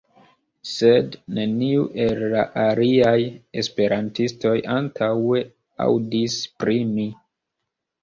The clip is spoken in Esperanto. Sed, neniu el la aliaj Esperantistoj antaŭe aŭdis pri mi.